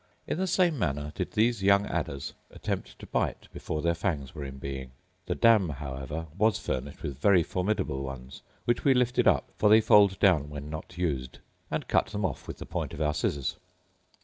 In the same manner did these young adders attempt to bite before their fangs were in being. The dam however was furnished with very formidable ones, which we lifted up (for they fold down when not used) and cut them off with the point of our scissors.